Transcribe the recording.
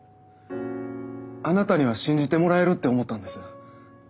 あなたには信じてもらえるって思ったんです。